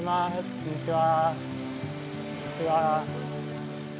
こんにちは。